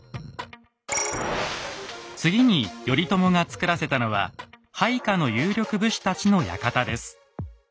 次に頼朝がつくらせたのは配下の有力武士たちの館です。